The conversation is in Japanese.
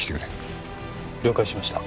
了解しました。